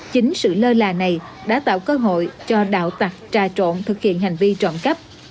chính sự lơ là này đã tạo cơ hội cho đạo tạc trà trộn thực hiện hành vi trọn cấp